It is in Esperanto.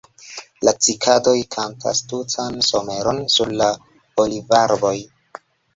La cikadoj kantas tutan someron sur la olivarboj.